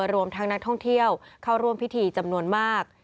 รวมทั้งนักท่องเที่ยวเข้าร่วมพิธีจำนวนมาก